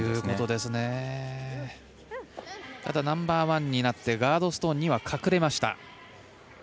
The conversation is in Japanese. ナンバーワンになってガードストーンには隠れました。